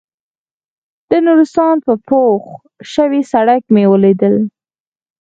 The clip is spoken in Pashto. د نورستان په پوخ شوي سړک مې وليدل.